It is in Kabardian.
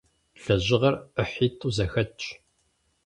Лэжьыгъэр ӏыхьитӏу зэхэтщ.